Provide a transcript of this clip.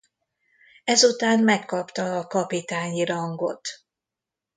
Ezután megkapta a kapitányi rangot.